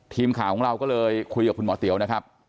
ทีมข่าวของเราก็เลยคุยกับคุณหมอเตี๋ยวนะครับ